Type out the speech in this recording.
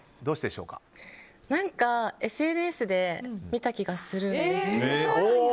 何かＳＮＳで見た気がするんです。